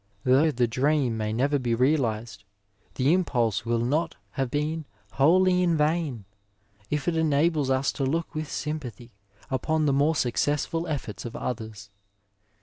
Though the dream may never be realized, the impulse will not have been wholly in vain' if it enables us to look with sympathy upon the more successful efforts of others.